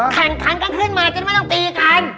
แข่งขันกันขึ้นมาจนไม่ต้องตีกัน